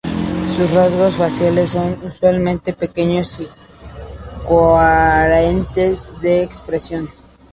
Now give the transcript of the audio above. Sus rasgos faciales son, usualmente, pequeños y carentes de expresión.